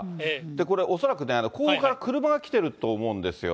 これ、恐らくね、後方から車が来てると思うんですよ。